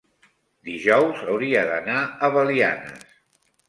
dijous hauria d'anar a Belianes.